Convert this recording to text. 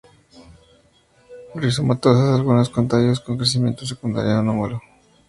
Rizomatosas, algunas con tallos con crecimiento secundario anómalo.